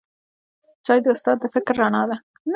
چای د استاد د فکر رڼا ده